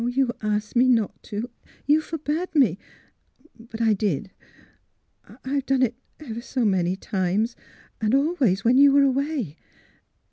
You asked me not to — you forbade me. But I did. I've done it — oh, ever so many times, and always when you were away.